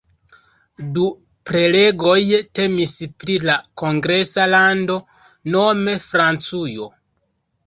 Du prelegoj temis pri la kongresa lando, nome Francujo.